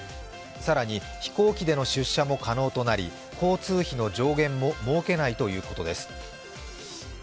更に、飛行機での出社も可能となり交通費の上限も設けないということです。